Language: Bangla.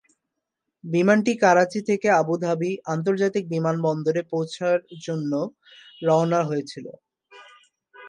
বিমানটি করাচি থেকে আবু ধাবি আন্তর্জাতিক বিমানবন্দরে পৌঁছার জন্য রওনা হয়েছিল।